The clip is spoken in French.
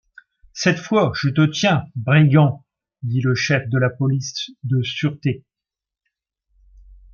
Cette fois, je te tiens, brigand! dit le chef de la police de sûreté.